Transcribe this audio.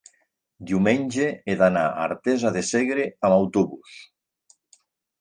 diumenge he d'anar a Artesa de Segre amb autobús.